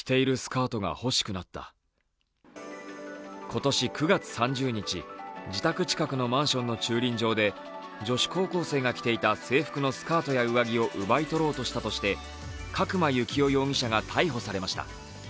今年９月３０日、自宅近くのマンションの駐輪場で女子高校生が着ていた制服のスカートや上着を奪い取ろうとしたとして角間幸雄容疑者が逮捕されました。